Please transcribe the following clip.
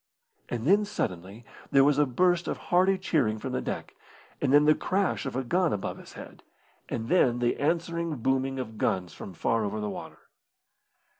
And then suddenly there was a burst of hearty cheering from the deck, and then the crash of a gun above his head, and then the answering booming of guns from far over the water.